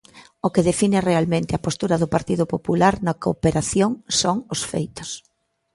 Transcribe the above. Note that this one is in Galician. O que define realmente a postura do Partido Popular na cooperación son os feitos.